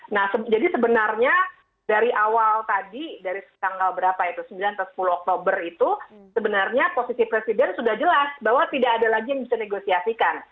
nah jadi sebenarnya dari awal tadi dari tanggal berapa itu sembilan atau sepuluh oktober itu sebenarnya posisi presiden sudah jelas bahwa tidak ada lagi yang bisa negosiasikan